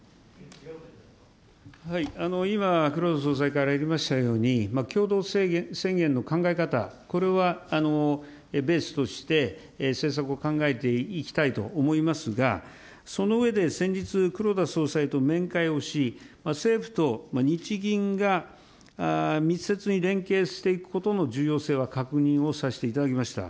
今、黒田総裁からありましたように、共同声明の考え方、これはベースとして政策を考えていきたいと思いますが、その上で、先日、黒田総裁と面会をし、政府と日銀が密接に連携していくことの重要性は確認をさせていただきました。